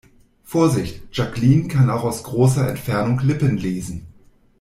Vorsicht, Jacqueline kann auch aus großer Entfernung Lippen lesen.